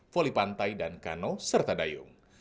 voli pantai dan kano serta dayung